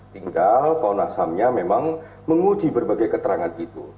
tinggal komnas hamnya memang menguji berbagai keterangan itu